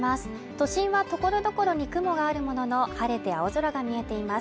都心はところどころに雲があるものの晴れて青空が見えています